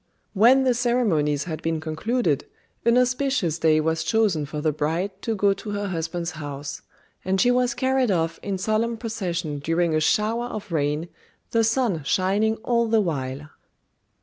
"] When the ceremonies had been concluded, an auspicious day was chosen for the bride to go to her husband's house, and she was carried off in solemn procession during a shower of rain, the sun shining all the while.